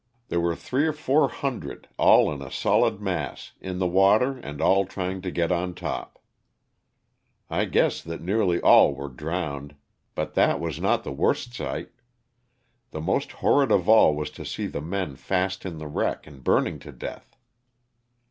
There were three or four hundred, all in a solid mass, in the water and all trying to get on top. I guess that nearly all were drowned, but that was not the worst sight. The most horrid of all was to see the men fast in the wreck and burning to death.